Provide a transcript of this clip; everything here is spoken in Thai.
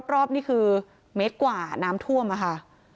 รอบนี่คือเมตรกว่าน้ำท่วมค่ะ